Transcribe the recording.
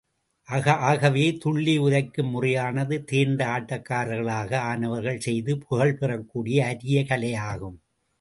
ஆகவே, துள்ளி உதைக்கும் முறையானது தேர்ந்த ஆட்டக்காரர்களாக ஆனவர்களே செய்து புகழ்பெறக்கூடிய அரிய கலையாகும்.